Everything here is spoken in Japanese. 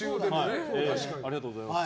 ありがとうございます。